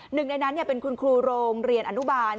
หนึ่งในนั้นเป็นคุณครูโรงเรียนอนุบาล